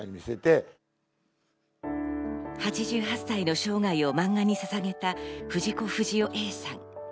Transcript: ８８歳の生涯を漫画にささげた藤子不二雄Ａさん。